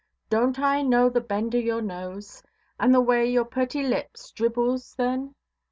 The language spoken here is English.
Donʼt I know the bend o' your nose, and the way your purty lips dribbles, then?